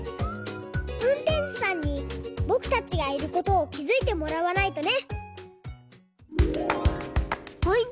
うんてんしゅさんにぼくたちがいることをきづいてもらわないとね！